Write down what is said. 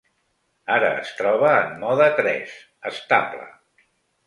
Ara es troba en mode tres, estable.